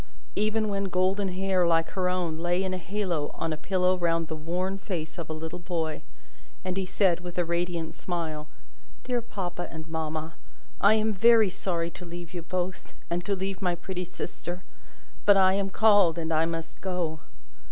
Even when golden hair, like her own, lay in a halo on a pillow round the worn face of a little boy, and he said, with a radiant smile, "Dear papa and mamma, I am very sorry to leave you both, and to leave my pretty sister; but I am called, and I must go!"